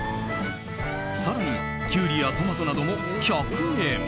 更に、キュウリやトマトなども１００円。